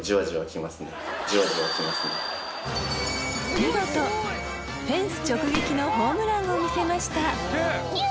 見事フェンス直撃のホームランを見せました